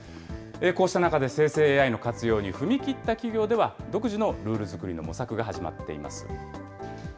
こうした中で生成ＡＩの活用に踏み切った企業では、独自のルール作りの模索が始まっています。